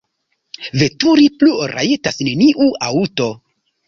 Veturi plu rajtas neniu aŭto.